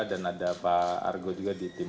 dan ada pak argo juga di tim